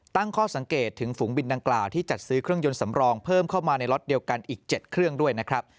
ตั้งข้อสังเกตถึงฝูงบินดังกล่าวที่จัดซื้อเครื่องยนต์สำรองเพิ่มเข้ามาในล็อตเดียวกันอีก๗เครื่องด้วยนะครับ